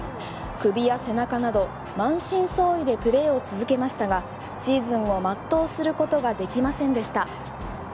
首や背中など満身創痍でプレーを続けましたがシーズンを全うすることができませんでした。